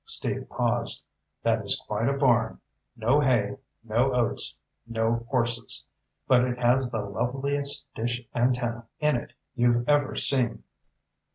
Steve paused. "That is quite a barn. No hay, no oats, no horses. But it has the loveliest dish antenna in it you've ever seen."